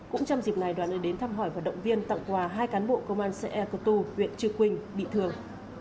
cũng trong dịp này đoàn đã đến thăm hỏi và động viên tặng quà hai cán bộ công an xã e cơ tu huyện chư quynh bị thương